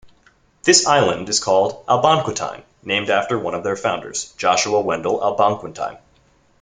This island is called Albonquetine, named after one of their founders, Joshua Wendell Albonquetine.